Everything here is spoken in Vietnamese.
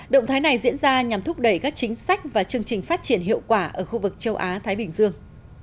động thái này diễn ra nhằm thúc đẩy các chính sách và chương trình phát triển hiệu quả ở khu vực châu á thái bình dương